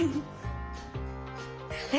え